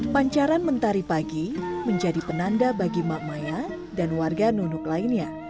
pancaran mentari pagi menjadi penanda bagi mak maya dan warga nunuk lainnya